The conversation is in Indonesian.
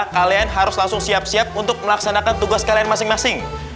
kalian harus langsung siap siap untuk melaksanakan tugas kalian masing masing